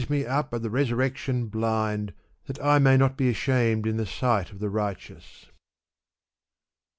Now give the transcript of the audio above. me up at the resurrection blind, that I may not be ashamed in the sight of the righteous."